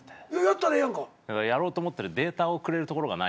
やろうと思ってるデータをくれる所がないかな。